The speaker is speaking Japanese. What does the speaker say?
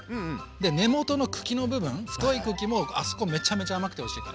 で根元の茎の部分太い茎もあそこめちゃめちゃ甘くておいしいから。